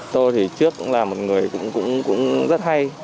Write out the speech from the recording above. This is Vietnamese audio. tôi thì trước cũng là một người cũng rất hay